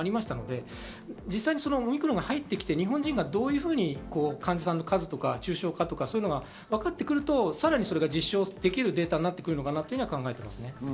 実際オミクロンが入ってきて、日本人がどのように患者さんの数とか、重症化とかわかってくると、さらに実証できるデータになってくるのかなと考えています。